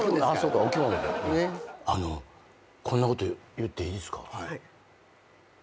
あのこんなこと言っていいですか？